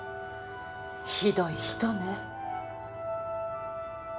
ひどい人ね。